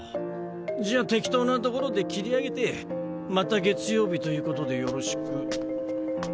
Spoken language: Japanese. じゃ適当なところで切り上げてまた月曜日ということでよろしく。